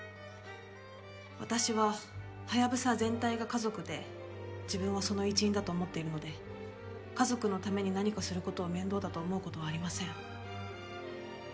私はハヤブサ全体が家族で自分はその一員だと思っているので家族のために何かする事を面倒だと思う事はありません。